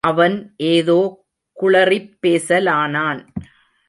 அவன் ஏதோ குளறிப் பேசலானான்.